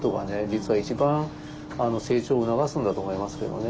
実は一番成長を促すんだと思いますけどね。